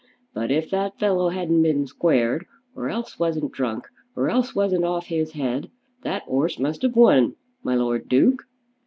But if that fellow hadn't been squared, or else wasn't drunk, or else wasn't off his head, that 'orse must have won, my Lord Duke."